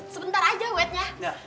sebentar aja waitnya